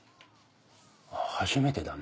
あぁ初めてだね。